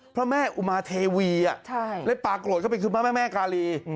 พระแม่อุมาเทวีและปลาโกรธเข้าไปคือพระแม่กาลี